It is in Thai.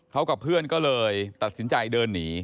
เขากับเพื่อนก็เลยตัดสินใจเดินหนี